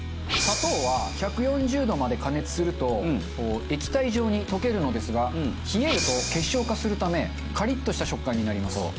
砂糖は１４０度まで加熱すると液体状に溶けるのですが冷えると結晶化するためカリッとした食感になります。